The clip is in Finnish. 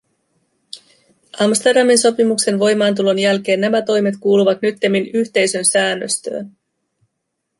Amsterdamin sopimuksen voimaantulon jälkeen nämä toimet kuuluvat nyttemmin yhteisön säännöstöön.